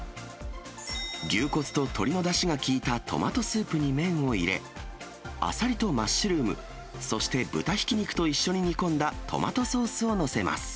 牛骨と鶏のだしが効いたトマトスープに麺を入れ、アサリとマッシュルーム、そして豚ひき肉と一緒に煮込んだトマトソースを載せます。